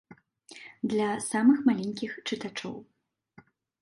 Для самых маленькіх чытачоў.